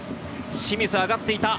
清水が上がっていた。